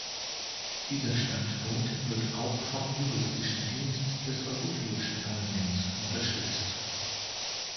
Dieser Standpunkt wird auch vom Juristischen Dienst des Europäischen Parlaments unterstützt.